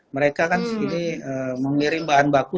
mereka kan mengirim bahan baku